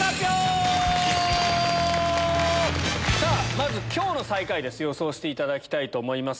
まず今日の最下位です予想していただきたいと思います。